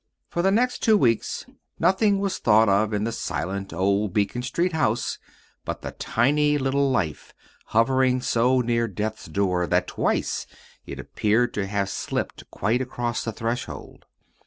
For the next two weeks nothing was thought of in the silent old Beacon Street house but the tiny little life hovering so near Death's door that twice it appeared to have slipped quite across the threshold.